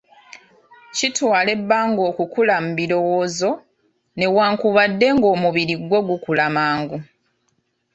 Kitwala ebbanga okukula mu birowoozo, newankubadde ng'omubiri gwo gukula mangu.